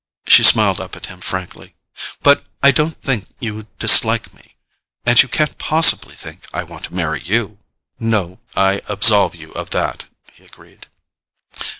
She smiled up at him frankly. "But I don't think you dislike me—and you can't possibly think I want to marry you." "No—I absolve you of that," he agreed.